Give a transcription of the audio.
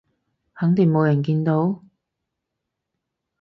肯定冇人見到？